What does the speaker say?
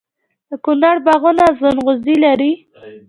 د کونړ باغونه ځنغوزي لري.